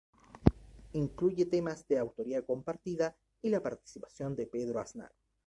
Incluye temas de autoría compartida y la participación de Pedro Aznar.